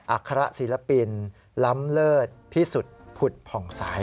อัคระศิลปินล้ำเลิศพิสุทธิ์ผุดผ่องใส